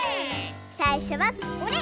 さいしょはこれ。